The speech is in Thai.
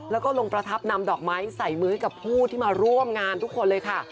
แล้วก็ลงประทับนำดอกไม้ใส่มือให้กับผู้ที่มาร่วมงานทุกคนเลยค่ะ